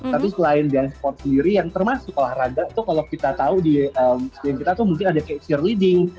tapi selain dance sport sendiri yang termasuk lah rada tuh kalau kita tahu di scene kita tuh mungkin ada keksier leading